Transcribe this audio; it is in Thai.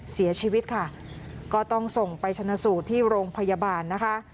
เสียชีวิตค่ะก็ต้องส่งไปชนะสูตรที่โรงพยาบาลนะคะ